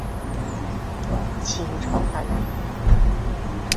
清朝翰林。